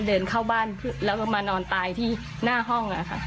เดินเข้าบ้านแล้วก็มานอนตายที่หน้าห้อง